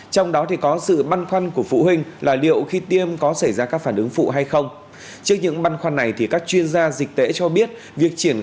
trong đó thì có một trăm sáu mươi bốn năm trăm bảy mươi sáu ca ghi nhận trong nước